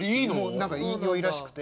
何かよいらしくて。